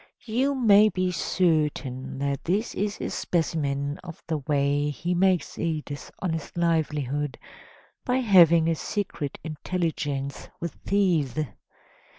You may be certain that this is a specimen of the way he makes a dishonest livelihood, by having a secret intelligence with thieves.